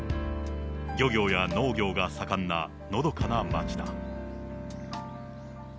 漁業や農業が盛んなのどかな町だ。